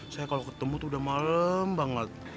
saya kalau ketemu tuh udah malem banget